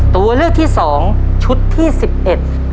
ตัวเลือกที่สองชุดที่สิบเอ็ด